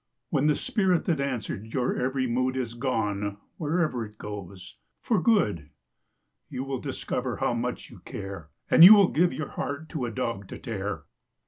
When the spirit that answered your every mood Is gone wherever it goes for good, You will discover how much you care, And will give your heart to a dog to tear!